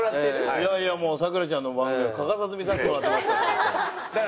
いやいやもう咲楽ちゃんの番組は欠かさず見させてもらってますから。